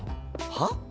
はっ？